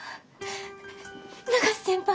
永瀬先輩！